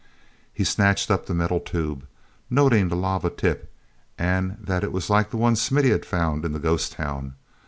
He snatched up the metal tube, noting the lava tip, and that it was like the one Smithy had found in the ghost town.